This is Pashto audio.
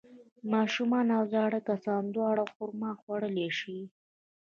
ماشومان او زاړه کسان دواړه خرما خوړلی شي.